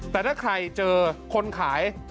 แต่ถ้าใครเจอคนขาย